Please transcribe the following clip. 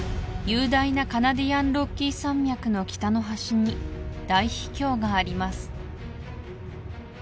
雄大なカナディアンロッキー山脈の北の端に大秘境があります